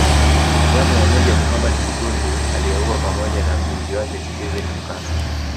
Zamu ya Meja Muhammad Kigundu aliyeuwa pamoja na mlinzi wake Steven Mukasa